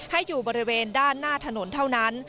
ให้อยู่บริเวณด้านหน้าถนนเท่านั้น